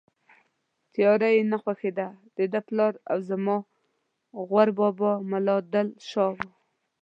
تیاره یې نه خوښېده، دده پلار او زما غور بابا ملا دل شاه و.